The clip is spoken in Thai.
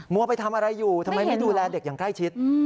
วัวไปทำอะไรอยู่ทำไมไม่ดูแลเด็กอย่างใกล้ชิด